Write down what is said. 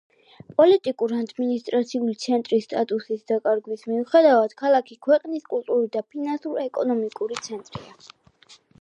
პოლიტიკურ-ადმინისტრაციული ცენტრის სტატუსის დაკარგვის მიუხედავად, ქალაქი ქვეყნის კულტურული და ფინანსურ-ეკონომიკური ცენტრია.